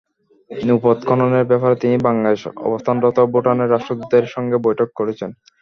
নৌপথ খননের ব্যাপারে তিনি বাংলাদেশে অবস্থানরত ভুটানের রাষ্ট্রদূতের সঙ্গে বৈঠক করেছেন।